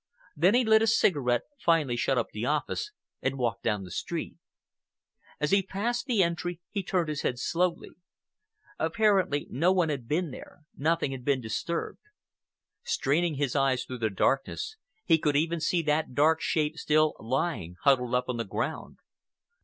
Then he lit a cigarette, finally shut up the office and walked down the street. As he passed the entry he turned his head slowly. Apparently no one had been there, nothing had been disturbed. Straining his eyes through the darkness, he could even see that dark shape still lying huddled up on the ground.